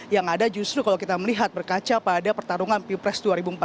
yang ada justru kalau kita melihat berkaca pada pertarungan pilpres dua ribu empat belas